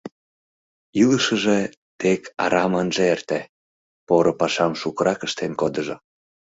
Илышыже тек арам ынже эрте, поро пашам шукырак ыштен кодыжо.